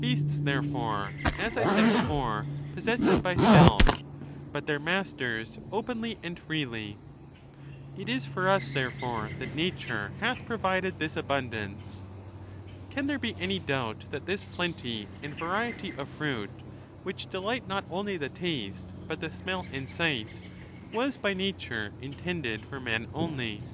Beasts, there fore, as I said before, possess it by stealth, but their mas ters openly and freely. It is for us, therefore, that nature hath provided this abundance. Can there be any doubt that this plenty and variety of fruit, which delight not only the taste, but the smell and sight, was by nature in tended for men only ?